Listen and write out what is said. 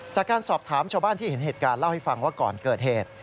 จากการสอบถามชาวบ้านที่เห็นเหตุการณ์เล่าให้ฟังว่าก่อนเกิดเหตุ